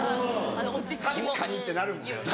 「確かに」ってなるもんね。